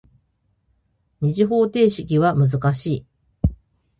二次方程式は難しい。